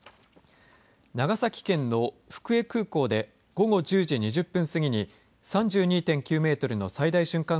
長崎県の福江空港で午後１０時２０分過ぎに３２．９メートルの最大瞬間